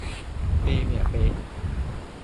啤咩呀啤